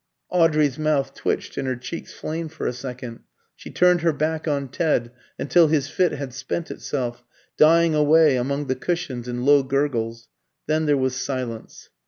Audrey's mouth twitched and her cheeks flamed for a second. She turned her back on Ted, until his fit had spent itself, dying away among the cushions in low gurgles. Then there was silence.